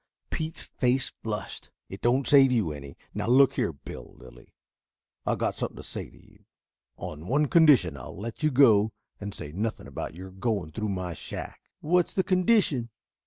Pete's face flushed. "It don't save you any. Now look here, Bill Lilly, I've got something to say to you. On one condition I'll let you go and say nothing about your going through my shack." "What's the condition?"